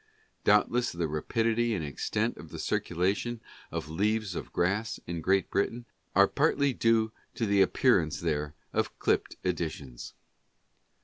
Doubtless the rapidity and extent of the circulation of "Leaves of Grass" in Great Britain are partly due to the ap pearance there of clipped editions.